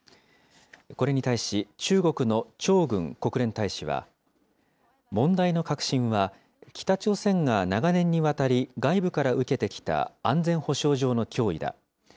これに対し、中国の張軍国連大使は、問題の核心は北朝鮮が長年にわたり外部から受けてきた安全保障上の脅威だ。